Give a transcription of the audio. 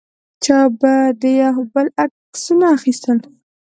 چا به د یو بل عکسونه اخیستل.